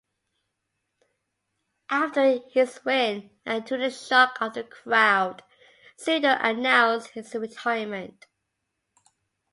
After his win, and to the shock of the crowd, Sudo announced his retirement.